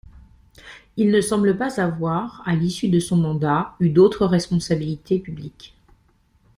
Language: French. Il ne semble pas avoir, à l'issue de son mandat, eu d'autres responsabilités publiques.